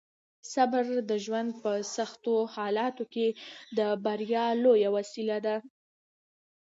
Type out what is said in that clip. صبر د ژوند په سختو حالاتو کې د بریا لویه وسیله ده.